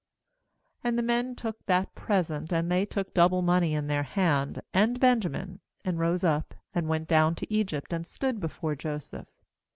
7 15And the men took that present, and they took double money in their hand, and Benjamin; and rose up, and went down to Egypt, and stood before Joseph.